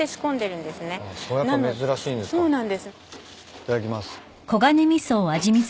いただきます。